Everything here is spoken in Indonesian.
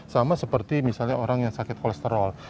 sama seperti misalnya orang yang sakit kolesterol